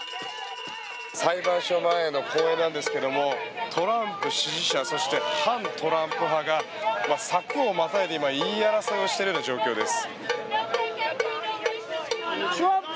裁判所前の公園なんですけれどトランプ支持者そして反トランプ派が柵をまたいで今、言い争いをしているような状況です。